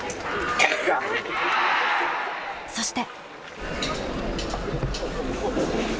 そして。